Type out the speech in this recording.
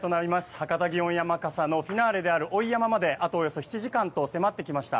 博多祇園山笠のフィナーレである追い山笠まであとおよそ７時間と迫ってきました。